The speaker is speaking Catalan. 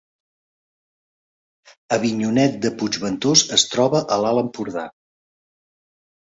Avinyonet de Puigventós es troba a l’Alt Empordà